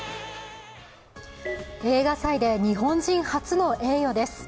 映画祭で日本人初の栄誉です。